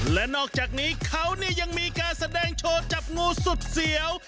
และนอกจากนี้เขานี่ยังมีการแสดงโชว์จับงูสุดเสียว